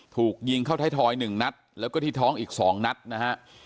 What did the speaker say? ถูกยิงเข้าไทยทอย๑นัดแล้วก็ที่ท้องอีก๒นัดนะฮะ